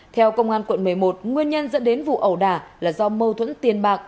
theo công an quận một mươi một nguyên nhân dẫn đến vụ ẩu đả là do mâu thuẫn tiền bạc